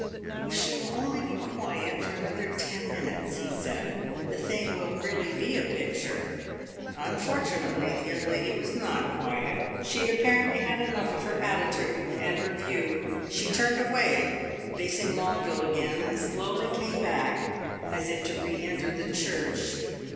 "If she will only be quiet for another ten minutes," he said, "the thing will really be a picture." Unfortunately, the young lady was not quiet; she had apparently had enough of her attitude and her view. She turned away, facing Longueville again, and slowly came back, as if to re enter the church.